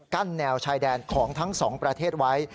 แนวชายแดนของทั้งสองประเทศไว้